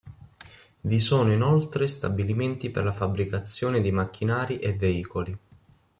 Vi sono, inoltre, stabilimenti per la fabbricazione di macchinari e veicoli.